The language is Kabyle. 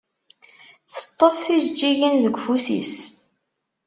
Teṭṭef tijeǧǧigin deg ufus-is.